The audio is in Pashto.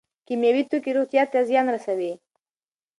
کیمیاوي توکي روغتیا ته زیان رسوي.